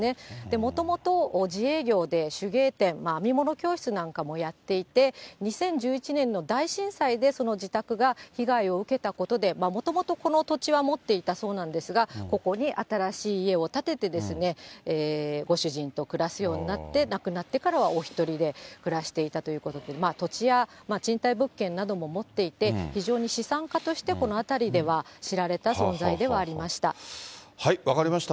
もともと自営業で、手芸店、編み物教室なんかもやっていて、２０１１年の大震災で、その自宅が被害を受けたことで、もともとこの土地は持っていたそうなんですが、ここに新しい家を建ててですね、ご主人と暮らすようになって、亡くなってからはお１人で暮らしていたということで、土地や賃貸物件なども持っていて、非常に資産家として、この辺りでは知られた存在ではありました。